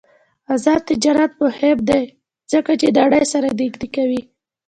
آزاد تجارت مهم دی ځکه چې نړۍ سره نږدې کوي.